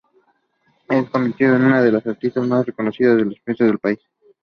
Se fue convirtiendo en una de las artistas más reconocidas e influyentes del país.